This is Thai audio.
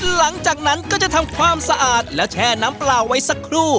หลังจากนั้นก็จะทำความสะอาดแล้วแช่น้ำเปล่าไว้สักครู่